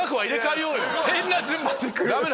変な順番でくる。